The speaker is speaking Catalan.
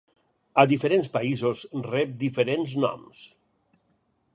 A diferents països rep diferents noms.